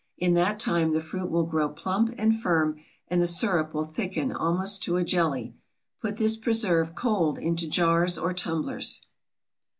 In that time the fruit will grow plump and firm, and the sirup will thicken almost to a jelly. Put this preserve, cold, into jars or tumblers.